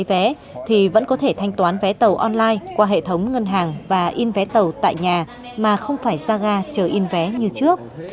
nếu không có thời gian lên ga để lấy vé thì vẫn có thể thanh toán vé tàu online qua hệ thống ngân hàng và in vé tàu tại nhà mà không phải ra ga chờ in vé như trước